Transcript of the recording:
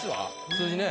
数字ね。